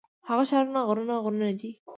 هغه ښارونه غرونه غرونه دي.